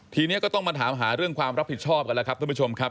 ทีนี้ก็ต้องมาถามหาเรื่องความรับผิดชอบกันแล้วครับท่านผู้ชมครับ